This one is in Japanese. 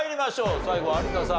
最後有田さん